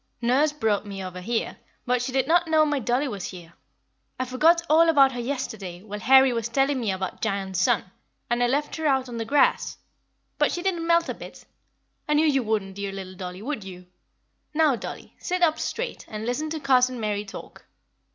Nurse brought me over here, but she did not know my dollie was here. I forgot all about her yesterday, while Harry was telling me about Giant Sun, and I left her out on the grass. But she didn't melt a bit. I knew you wouldn't, dear little dollie, would you? Now, dollie, sit up straight, and listen to Cousin Mary talk.